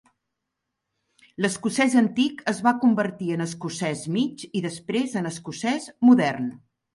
L'escocès antic es va convertir en escocès mig i després en escocès modern.